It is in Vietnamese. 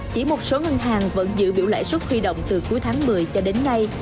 chỉ một số ngân hàng vẫn giữ biểu lãi suất huy động từ cuối tháng một mươi cho đến nay